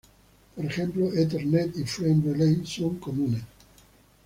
Por ejemplo, Ethernet y Frame Relay son comunes.